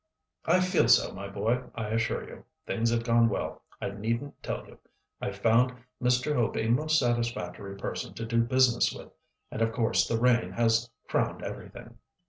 "I feel so, my boy, I assure you. Things have gone well, I needn't tell you. I found Mr. Hope a most satisfactory person to do business with. And of course the rain has crowned everything."